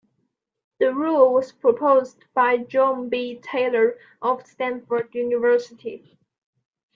The rule was proposed by John B. Taylor of Stanford University.